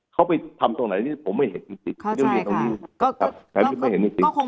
เขาไปทำตรงไหนผมไม่เห็นจริงจริง